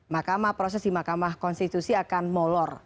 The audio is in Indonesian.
makamah proses di mahkamah konstitusi akan molor